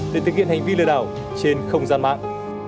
để thực hiện hành vi lừa đảo trên không gian mạng